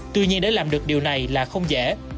tuy nhiên để làm được điều này là không dễ